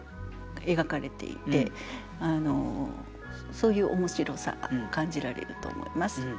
そういう面白さが感じられると思います。